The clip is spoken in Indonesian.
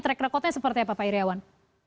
track record nya seperti apa pak iryawan